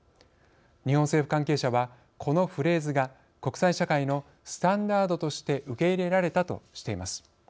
日本政府関係者はこのフレーズが国際社会のスタンダードとして受け入れられたとしています。